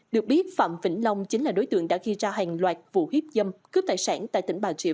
được biết phạm vĩnh long chính là đối tượng đã gây ra hàng loạt vụ hiếp dâm cướp tài sản tại tỉnh bà triệu